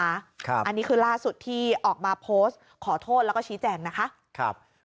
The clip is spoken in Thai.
อันนี้คือล่าสุดที่ออกมาโพสต์ขอโทษแล้วก็ชี้แจงนะคะ